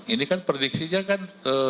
ini kan prediksinya kan